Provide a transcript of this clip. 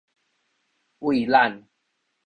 畏懶